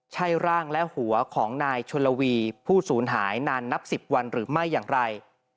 ใช่ร่างและหัวของนายชนลวีผู้ศูนย์หายนานนับ๑๐วันหรือไม่อย่างไร